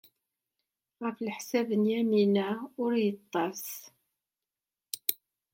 Ɣef leḥsab n Yamina, ur d-yettas.